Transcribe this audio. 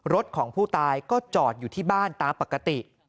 รถของผู้ตายก็จอดอยู่ที่บ้านตามปกติ